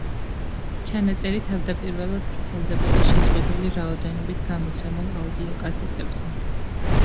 ჩანაწერი თავდაპირველად ვრცელდებოდა შეზღუდული რაოდენობით გამოცემულ აუდიოკასეტებზე.